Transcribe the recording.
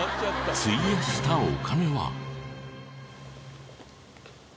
費やしたお金は。